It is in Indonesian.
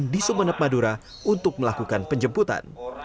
di sumeneb madura untuk melakukan penjemputan